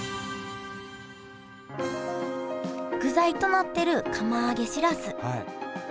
具材となっている釜揚げしらす。